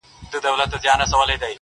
پر ملا کړوپ دی ستا له زور څخه خبر دی-